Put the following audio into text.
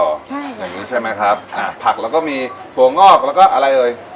ใช่อย่างนี้ใช่ไหมครับอ่าผักแล้วก็มีถั่วงอกแล้วก็อะไรเอ่ย